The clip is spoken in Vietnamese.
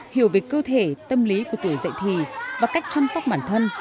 hiểu về cơ thể tâm lý của tuổi dạy thì và cách chăm sóc bản thân